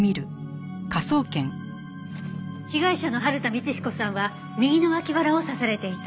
被害者の春田光彦さんは右の脇腹を刺されていた。